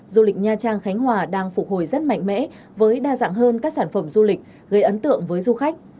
du lịch nha trang khánh hòa đang phục hồi rất mạnh mẽ với đa dạng hơn các sản phẩm du lịch gây ấn tượng với du khách